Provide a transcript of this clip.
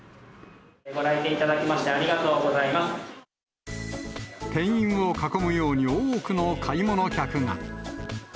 ご来店いただきまして、店員を囲むように多くの買い物客が。